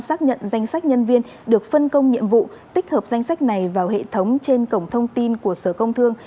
xác nhận danh sách nhân viên được phân công nhiệm vụ tích hợp danh sách này vào hệ thống trên cổng thông tin của sở công thương